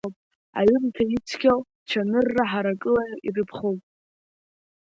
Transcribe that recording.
Аҩымҭа ицқьоу цәанырра ҳаракыла ирыԥхоуп.